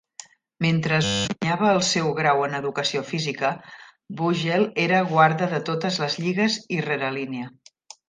Mentre es guanyava el seu grau en educació física, Bugel era guarda de totes les lligues i rerelínia.